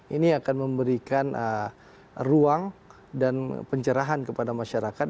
ini akan memberikan ruang dan pencerahan kepada masyarakat